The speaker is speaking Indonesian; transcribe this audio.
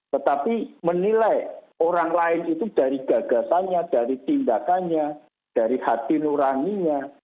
tetapi menilai orang lain itu dari gagasannya dari tindakannya dari hati nuraninya